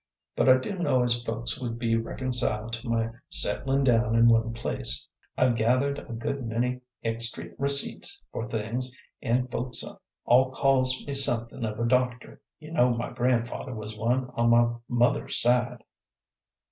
But I do' know as folks would be reconciled to my settlin' down in one place. I've gathered a good many extry receipts for things, an' folks all calls me somethin' of a doctor; you know my grand'ther was one, on my mother's side."